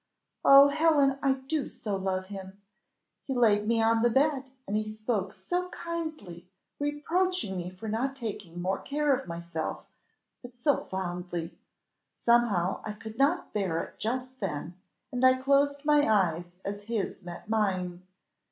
Oh, Helen, I do so love him! He laid me on the bed, and he spoke so kindly, reproaching me for not taking more care of myself but so fondly! Somehow I could not bear it just then, and I closed my eyes as his met mine.